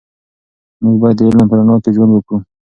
موږ باید د علم په رڼا کې ژوند وکړو.